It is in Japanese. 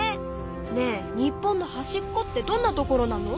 ねえ日本のはしっこってどんなところなの？